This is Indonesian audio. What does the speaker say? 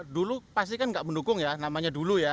dulu pasti kan nggak mendukung ya namanya dulu ya